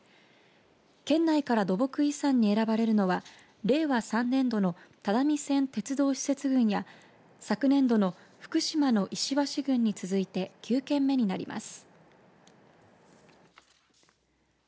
県内から土木遺産に選ばれるのは令和３年度の只見線鉄道施設群や昨年度の福島の石橋群に続いて９件目になります。